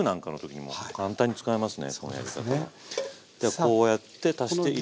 こうやって足して頂いた。